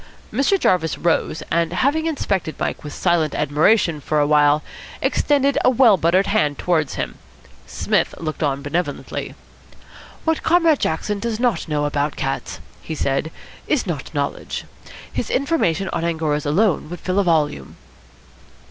Mr. Jarvis rose, and, having inspected Mike with silent admiration for a while, extended a well buttered hand towards him. Psmith looked on benevolently. "What Comrade Jackson does not know about cats," he said, "is not knowledge. His information on Angoras alone would fill a volume."